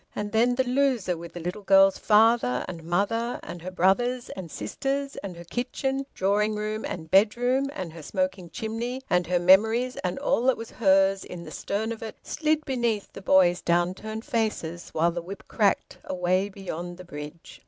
And then the loser, with the little girl's father and mother and her brothers and sisters, and her kitchen, drawing room, and bedroom, and her smoking chimney and her memories and all that was hers, in the stern of it, slid beneath the boys' down turned faces while the whip cracked away beyond the bridge.